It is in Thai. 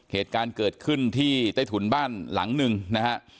เหตุการณ์เกิดขึ้นที่ใต้ถุนบ้านหลังหนึ่งนะฮะ